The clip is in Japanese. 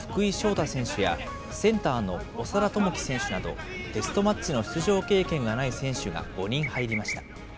大選手や、センターの長田智希選手など、テストマッチの出場経験のない選手が５人入りました。